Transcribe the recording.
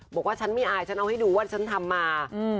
บอกว่าฉันไม่อายฉันเอาให้ดูว่าฉันทำมา